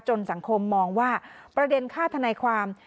สังคมมองว่าประเด็นค่าธนายความ